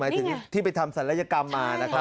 ถึงที่ไปทำศัลยกรรมมานะครับ